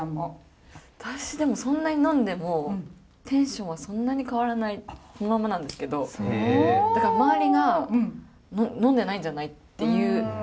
私でも呑んでもテンションはそんなに変わらないままなんですけどだから周りが「呑んでないんじゃない？」って言ってくるくらい。